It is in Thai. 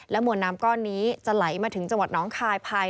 และหมวนน้ำก้อนนี้จะไหลมาถึงจังหวัดหนองคาย